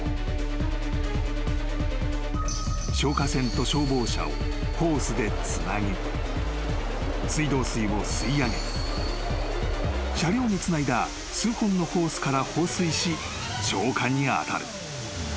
［消火栓と消防車をホースでつなぎ水道水を吸い上げ車両につないだ数本のホースから放水し消火に当たる］